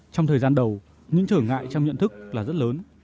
trong thời gian đầu những trở ngại trong nhận thức là rất lớn